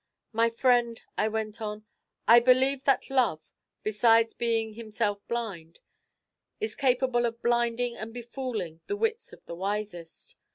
'My friend,' I went on, 'I believe that Love, besides being himself blind, is capable of blinding and befooling the wits of the wisest.